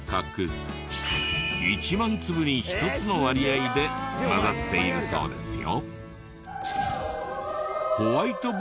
１万粒に１つの割合で交ざっているそうですよ。